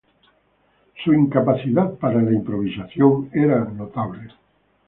Su capacidad para la improvisación era notable.